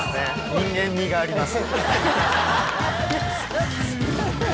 人間味があります。